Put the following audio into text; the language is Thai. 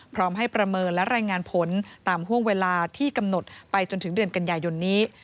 พร้อมให้ประเมินและรายงานผลตามห่วงเวลาที่กำหนดไปจนถึงเดือนกันยายนนี้